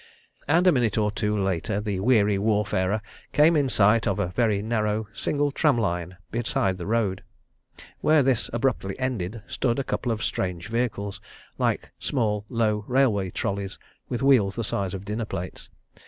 And a minute or two later the weary warfarer came in sight of a very narrow, single tram line, beside the road. Where this abruptly ended stood a couple of strange vehicles, like small, low railway trolleys, with wheels the size of dinner plates.